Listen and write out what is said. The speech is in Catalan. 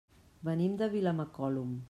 Venim de Vilamacolum.